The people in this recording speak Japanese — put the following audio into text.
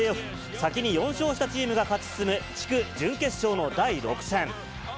先に４勝したチームが勝ち進む、地区準決勝の第６戦。